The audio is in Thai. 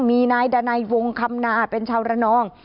มีนายดานัยวงคำนาเป็นชาวระนอง